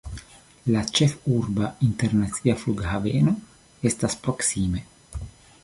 La ĉefurba internacia flughaveno estas proksime.